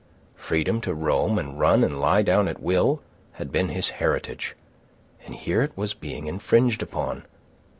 Freedom to roam and run and lie down at will, had been his heritage; and here it was being infringed upon.